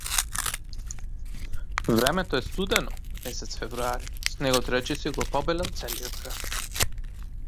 Времето е студено, месец февруари, снегот речиси го побелел целиот град.